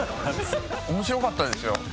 面白かったですよ。